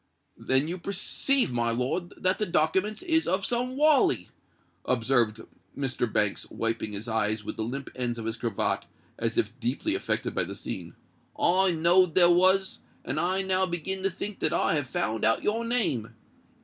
"Then you perceive, my lord, that the dokiments is of some wally," observed Mr. Banks, wiping his eyes with the limp ends of his cravat, as if deeply affected by the scene. "I knowed they was; and I now begin to think that I have found out your name.